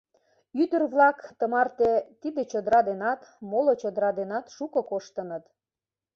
Ӱдыр-влак тымарте тиде чодыра денат, моло чодыра денат шуко коштыныт.